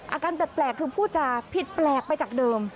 อาการแปลกคือพูดจาผิดแปลกไปจากเดิม